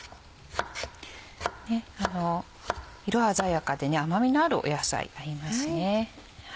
色鮮やかで甘みのある野菜になりますね。